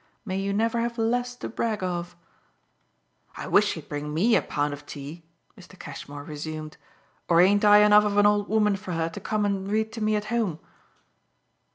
May you never have less to brag of!" "I wish she'd bring ME a pound of tea!" Mr. Cashmore resumed. "Or ain't I enough of an old woman for her to come and read to me at home?"